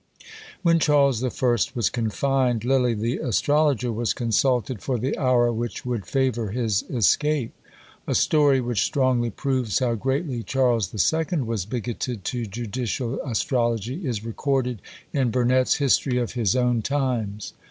When Charles the First was confined, Lilly the astrologer was consulted for the hour which would favour his escape. A story, which strongly proves how greatly Charles the Second was bigoted to judicial astrology, is recorded is Burnet's History of his Own Times.